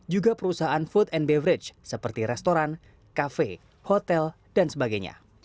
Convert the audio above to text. juga perusahaan food and beverage seperti restoran kafe hotel dan sebagainya